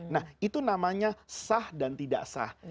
nah itu namanya sah dan tidak sah